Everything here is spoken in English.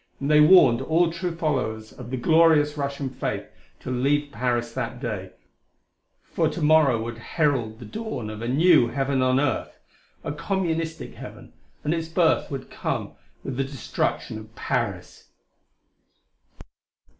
And they warned all true followers of the glorious Russian faith to leave Paris that day, for to morrow would herald the dawn of a new heaven on earth a Communistic heaven and its birth would come with the destruction of Paris....